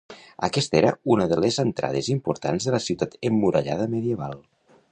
Aquest era una de les entrades importants de la ciutat emmurallada medieval.